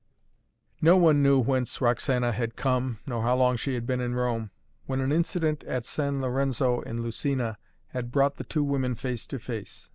No one knew whence Roxana had come, nor how long she had been in Rome, when an incident at San Lorenzo in Lucina had brought the two women face to face.